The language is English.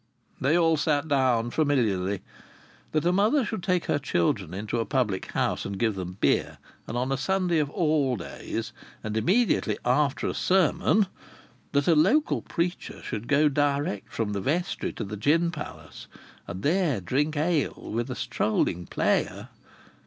They all sat down familiarly. That a mother should take her children into a public house and give them beer, and on a Sunday of all days, and immediately after a sermon! That a local preacher should go direct from the vestry to the gin palace and there drink ale with a strolling player!